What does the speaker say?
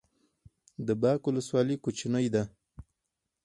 د باک ولسوالۍ کوچنۍ ده